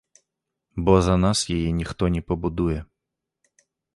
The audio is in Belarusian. Бо за нас яе ніхто не пабудуе.